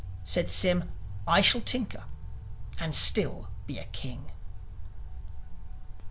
." Said Sym, "I shall tinker, and still be a king." IX.